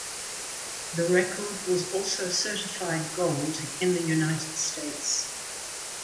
The record also certified gold in the United States.